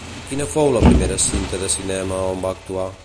Quina fou la primera cinta de cinema on va actuar?